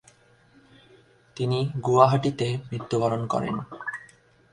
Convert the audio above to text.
তিনি গুয়াহাটীতে মৃত্যুবরণ করেন।